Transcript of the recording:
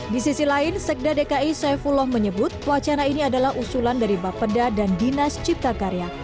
di sisi lain sekda dki saifullah menyebut wacana ini adalah usulan dari bapeda dan dinas cipta karya